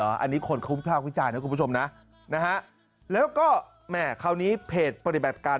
อันนี้คนเขาวิภาควิจารณ์นะคุณผู้ชมนะนะฮะแล้วก็แหม่คราวนี้เพจปฏิบัติการ